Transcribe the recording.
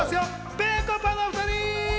ぺこぱのお２人。